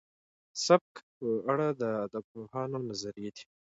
سبک په اړه د ادبپوهانو نظريې دي.